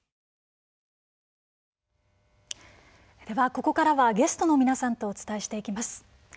ではここからはゲストの皆さんとお伝えしていきます。